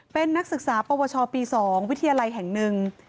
เป็นนักศึกษาปวชปี๒วิทยาลัยแห่งหนึ่ง